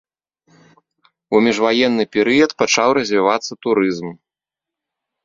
У міжваенны перыяд пачаў развівацца турызм.